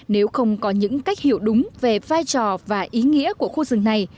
nếu không có những cách hiểu đúng về vai trò và ý nghĩa của khu rừng này